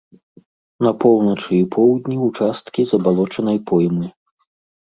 На поўначы і поўдні ўчасткі забалочанай поймы.